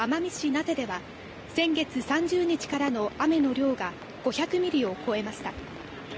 名瀬では先月３０日からの雨の量が５００ミリを超えました。